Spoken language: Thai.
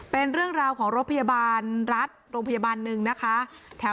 เป็นเรื่องราวของรถพยาบาลรัฐโรงพยาบาลหนึ่งนะคะ